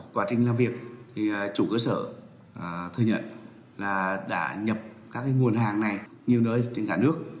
quá trình làm việc chủ cơ sở thư nhận đã nhập các nguồn hàng này nhiều nơi trên cả nước